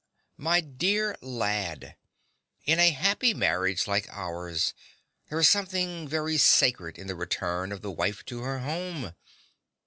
My dear lad: in a happy marriage like ours, there is something very sacred in the return of the wife to her home.